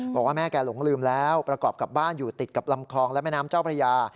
บอกว่าแม่แกหลงลืมแล้วประกอบกับบ้านอยู่ติดกับลำคลองและแม่น้ำเจ้าพระยา